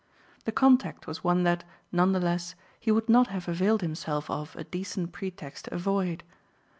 The contact was one that, none the less, he would not have availed himself of a decent pretext to avoid.